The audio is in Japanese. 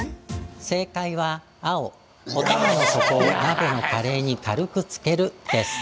正解は青、おたまの底を鍋のカレーに軽くつけるです。